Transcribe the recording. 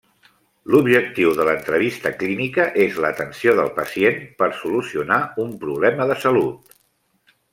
L'objectiu de l'entrevista clínica és l'atenció del pacient per solucionar un problema de salut.